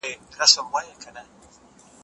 زه به سبا بوټونه پاک کړم!.